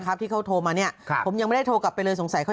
ที่เขาโทรมาเนี่ยครับผมยังไม่ได้โทรกลับไปเลยสงสัยค่อย